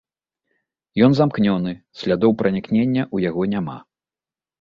Ён замкнёны, слядоў пранікнення ў яго няма.